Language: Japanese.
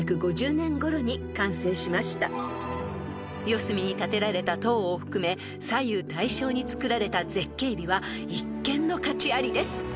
［四隅に建てられた塔を含め左右対称につくられた絶景美は一見の価値ありです］